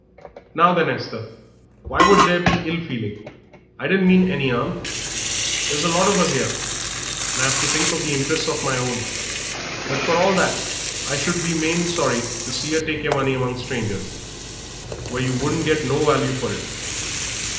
"Now, then, Esther, why should there be ill feeling. I didn't mean any 'arm. There's a lot of us 'ere, and I've to think of the interests of my own. But for all that I should be main sorry to see yer take yer money among strangers, where you wouldn't get no value for it.